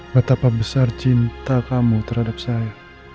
betapa besar cinta kamu terhadap saya